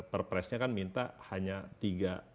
perpresnya kan minta hanya tiga